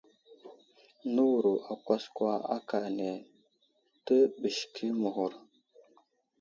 Nəwuro akwaskwa akane təɓəske məghur.